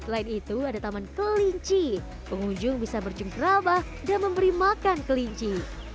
selain itu ada taman kelinci pengunjung bisa bercengkrabah dan memberi makan kelinci